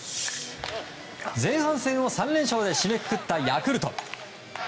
前半戦を３連勝で締めくくったヤクルト。